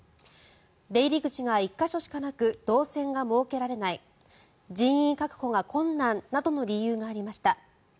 出入り口が１か所しかなく動線が設けられない人員確保が困難などの理由がありました。